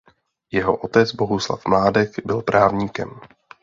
Jeho otec Bohuslav Mládek byl právníkem.